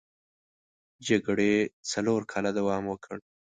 جګړې څلور کاله دوام وکړ.